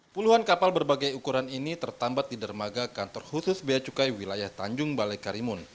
puluhan kapal berbagai ukuran ini tertambat di dermaga kantor khusus beacukai wilayah tanjung balai karimun